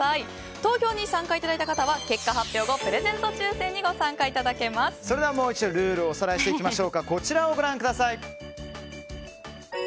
投票に参加いただいた方は結果発表後、プレゼント抽選にルールをおさらいしましょう。